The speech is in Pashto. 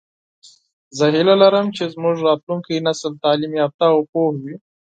زه هیله لرم چې زمونږ راتلونکی نسل تعلیم یافته او پوهه وي